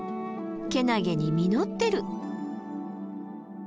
けなげに実ってる。